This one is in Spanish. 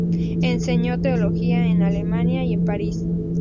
Enseñó teología en Alemania y en París.